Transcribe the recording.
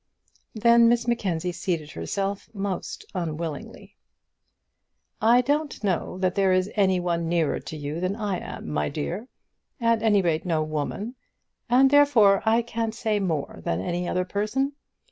Then Miss Mackenzie seated herself, most unwillingly. "I don't know that there is anyone nearer to you than I am, my dear; at any rate, no woman; and therefore I can say more than any other person.